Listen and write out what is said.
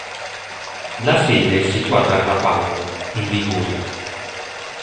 La sede è situata a Rapallo, in Liguria.